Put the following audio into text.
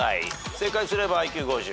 正解すればＩＱ５０。